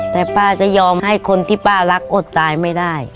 แต่ป้าจะยอมให้คนที่ป้ารักอดตายไม่ได้